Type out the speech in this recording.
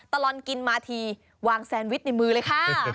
ตลอดกินมาทีวางแซนวิชในมือเลยค่ะ